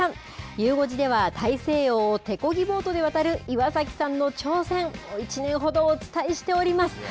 ゆう５時では、大西洋を手こぎボートで渡る岩崎さんの挑戦を１年ほどお伝えしております。